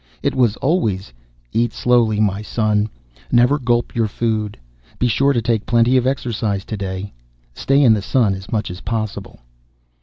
It was always: "Eat slowly, my son. Never gulp your food. Be sure to take plenty of exercise today. Stay in the sun as much as possible."